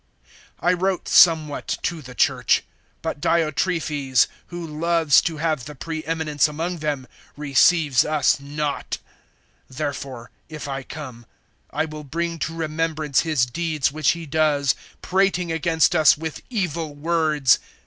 (9)I wrote somewhat to the church; but Diotrephes, who loves to have the pre eminence among them, receives us not. (10)Therefore, if I come, I will bring to remembrance his deeds which he does, prating against us with evil words.